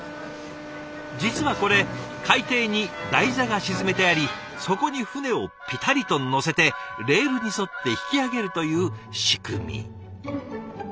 実はこれ海底に台座が沈めてありそこに船をピタリと載せてレールに沿って引き揚げるという仕組み。